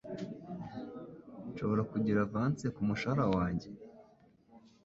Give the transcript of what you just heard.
Nshobora kugira avance kumushahara wanjye?